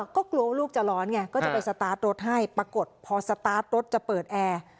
ก็กลัวว่าลูกจะร้อนไงก็จะไปสตาร์ทรถให้ปรากฏพอสตาร์ทรถจะเปิดแอร์